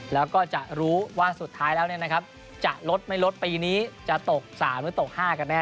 แล้วก็จะรู้ว่าสุดท้ายแล้วจะลดไม่ลดปีนี้จะตก๓หรือตก๕กันแน